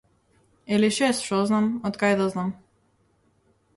Или шес, шо знам, откај да знам.